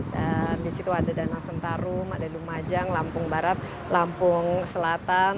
dan di situ ada danau sentarum ada lumajang lampung barat lampung selatan